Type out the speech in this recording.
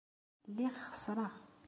Lliɣ xeṣṣreɣ.